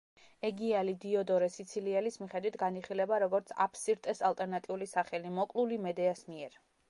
ეგიალი, დიოდორე სიცილიელის მიხედვით, განიხილება როგორც აფსირტეს ალტერნატიული სახელი, მოკლული მედეას მიერ.